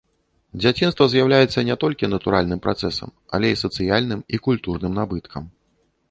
Дзяцінства з'яўляецца не толькі натуральным працэсам, але і сацыяльным і культурным набыткам.